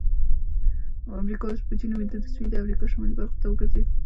امریکا وسپوچې نومیده د سویلي امریکا شمالي برخو ته وګرځېد.